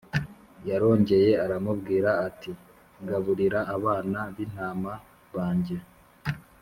yarongeye aramubwira ati gaburira abana b intama banjye